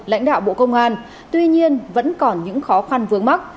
lãnh đạo bộ công an tuy nhiên vẫn còn những khó khăn vướng mắt